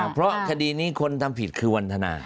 เพราะคดีนี้คนทำผิดคือวันทนา